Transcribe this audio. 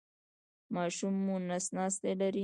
ماشوم مو نس ناستی لري؟